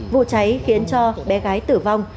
vụ cháy khiến cho bé gái tử vong